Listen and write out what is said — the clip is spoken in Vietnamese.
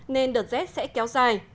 nên đợt rét sẽ kéo dài